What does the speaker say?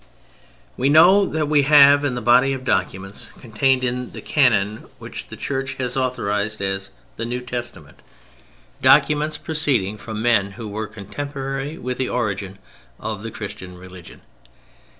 We know that we have in the body of documents contained in the "canon" which the Church has authorized as the "New Testament," documents proceeding from men who were contemporaries with the origin of the Christian religion.